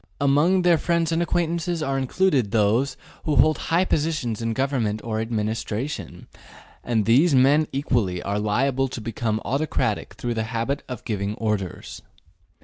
Among their friends and acquaintances are included those who hold high positions in government or administration, and these men equally are liable to become autocratic through the habit of giving orders.